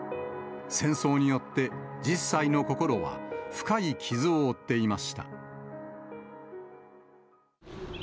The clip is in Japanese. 戦争によって１０歳の心は深い傷を負っていました。